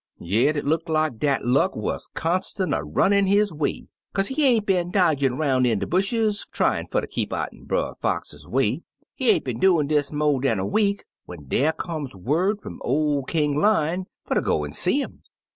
Yit it look like dat luck wuz constant a runnin' his way, kaze he ain't been dodgin' roun' in de bushes, tryin' fer ter keep out'n Brer Fox's way — he ain't been doin' dis mo' dan a week, when dere come word fum ol' King Lion fer go an' see 'im.